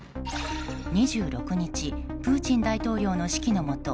２６日プーチン大統領の指揮のもと